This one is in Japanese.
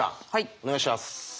お願いします。